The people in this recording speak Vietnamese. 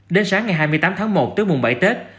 đến sáng ngày hai mươi tám tháng một tức mùng bảy tết